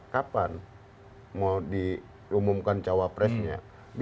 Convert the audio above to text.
kapan mau diumumkan cawapresnya